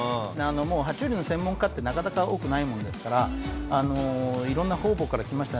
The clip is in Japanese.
爬虫類の専門家ってなかなか多くないものですからいろんな方々からきましたね。